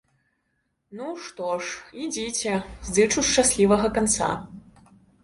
Ну, што ж, ідзіце, зычу шчаслівага канца.